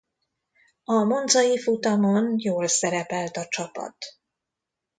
A monzai futamon jól szerepelt a csapat.